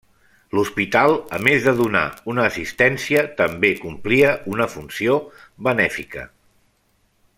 L'hospital, a més de donar una assistència, també complia una funció benèfica.